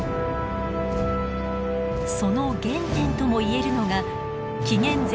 その原点とも言えるのが紀元前